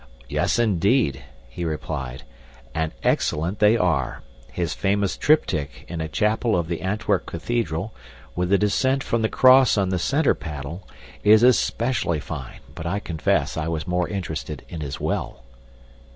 "Yes, indeed," he replied, "and excellent they are. His famous triptych in a chapel of the Antwerp cathedral, with the Descent from the Cross on the center panel, is especially fine, but I confess I was more interested in his well."